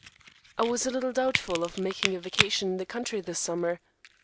I was a little doubtful of making a vacation in the country this summer.